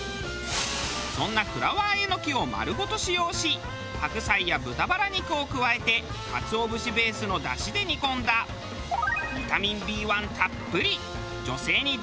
そんなフラワーえのきを丸ごと使用し白菜や豚バラ肉を加えてかつお節ベースの出汁で煮込んだビタミンＢ１たっぷり女性に大人気の美容鍋。